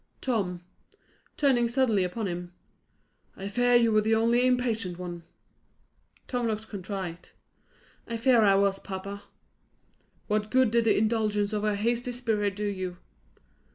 Tom," turning suddenly upon him, "I fear you were the only impatient one." Tom looked contrite. "I fear I was, papa." "What good did the indulgence of your hasty spirit do you?"